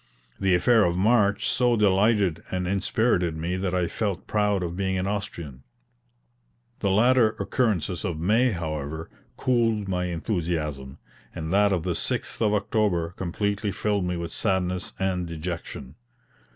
The affair of March so delighted and inspirited me that I felt proud of being an Austrian. The later occurrences of May, however, cooled my enthusiasm; and that of the 6th of October completely filled me with sadness and dejection.